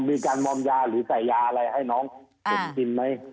มีการมอมยาหรือใส่ยาอะไรให้น้องผมกินไหม